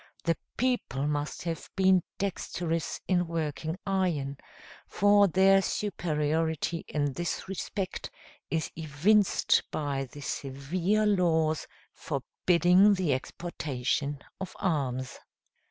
The people must have been dexterous in working iron, for their superiority in this respect is evinced by the severe laws forbidding the exportation of arms.